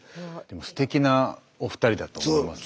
すてきなお二人だと思います。